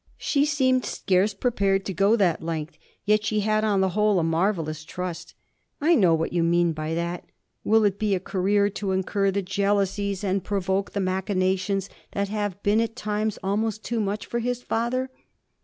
She seemed scarce prepared to go that length, yet she had on the whole a marvellous trust. 'I know what you mean by that. Will it be a career to incur the jealousies and provoke the machinations that have been at times almost too much for his father?